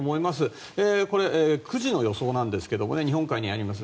９時の予想なんですが日本海にあります